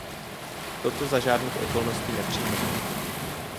Toto za žádných okolností nepřijmeme.